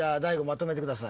まとめてください。